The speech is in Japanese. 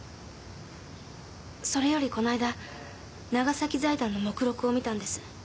それよりこの間長崎財団の目録を見たんです。